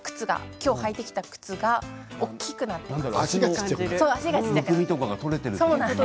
きょう履いていた靴が大きくなっています。